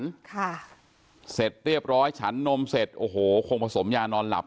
ค่ะเสร็จเรียบร้อยฉันนมเสร็จโอ้โหคงผสมยานอนหลับ